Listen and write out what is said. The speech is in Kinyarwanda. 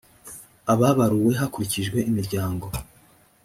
ababaruwe hakurikijwe imiryango